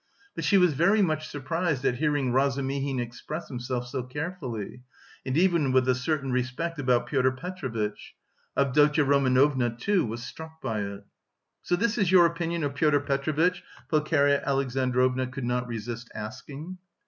But she was very much surprised at hearing Razumihin express himself so carefully and even with a certain respect about Pyotr Petrovitch. Avdotya Romanovna, too, was struck by it. "So this is your opinion of Pyotr Petrovitch?" Pulcheria Alexandrovna could not resist asking.